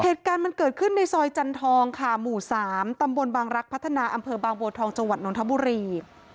เหตุการณ์มันเกิดขึ้นในซอยจันทองค่ะหมู่๓ตำบลบางรักพัฒนาอำเภอบางบัวทองจังหวัดนทบุรี